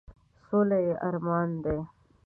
سوله یې ارمان دی ،.